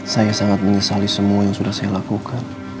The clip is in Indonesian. saya sangat menyesali semua yang sudah saya lakukan